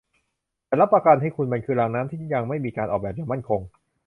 ฉันรับประกันให้คุณ มันคือรางน้ำที่ยังไม่มีการออกแบบอย่างมั่นคง